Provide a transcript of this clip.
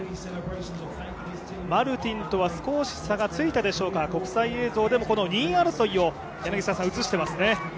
マルティンとは少し差がついたでしょうか、国際映像でもこの２位争いを映していますね。